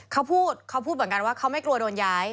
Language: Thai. เขาพูดเขาพูดเหมือนกันว่าเขาไม่กลัวโดนย้าย